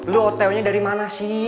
lo hotelnya dari mana sih